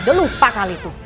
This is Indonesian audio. udah lupa kali itu